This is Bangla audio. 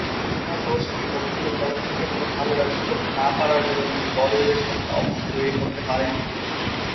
কুনাল গোস্বামী অভিনীত চলচ্চিত্রগুলো ভালো ব্যবসা করতে না পারার দরুন তিনি বলিউডে শক্ত অবস্থান তৈরি করতে পারেন নি।